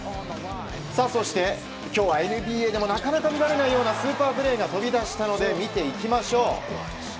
そして、今日はＮＢＡでもなかなか見られないようなスーパープレーが飛び出したので見ていきましょう。